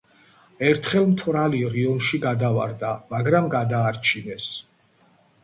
ერთხელ მთვრალი რიონში გადავარდა, მაგრამ გადაარჩინეს.